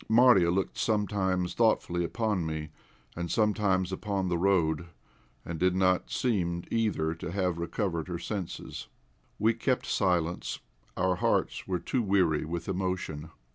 Marya looked sometimes thoughtfully upon me and sometimes upon the road, and did not seem either to have recovered her senses. We kept silence our hearts were too weary with emotion.